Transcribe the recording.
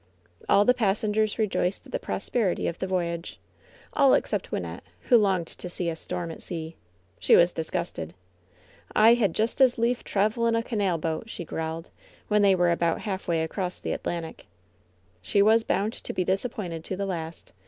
All the passengers rejoiced at the prosperity of the 178 LOVE'S BITTEREST CUP voyage — all except Wynnette, who longed to see a storm at sea. She was disgusted. ^^I had just as lief travel in a canal boat I'' she growled, when they were about halfway across the At lantic. She was bound to be disappointed to the last.